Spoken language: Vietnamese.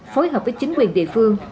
phối hợp với chính quyền địa phương